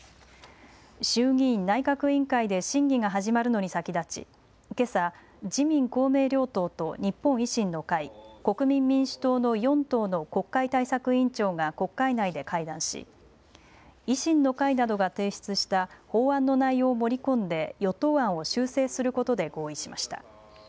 衆議院内閣委員会で審議が始まるのに先立ちけさ自民・公明両党と日本維新の会国民民主党の４党の国会対策委員長が国会内で会談し維新の会などが提出した法案の内容を盛り込んで与党案を修正することで合意しました。